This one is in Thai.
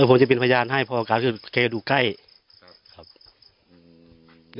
ผมจะเป็นพยานให้พ่อออกราศคือแกดูใกล้